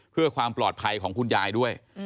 เพื่อความปลอดภัยของคุณยายด้วย